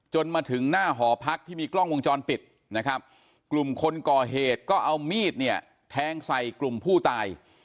มาถึงหน้าหอพักที่มีกล้องวงจรปิดนะครับกลุ่มคนก่อเหตุก็เอามีดเนี่ยแทงใส่กลุ่มผู้ตาย